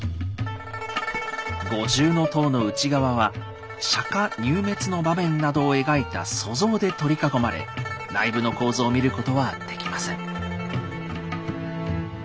五重塔の内側は釈入滅の場面などを描いた塑像で取り囲まれ内部の構造を見ることはできません。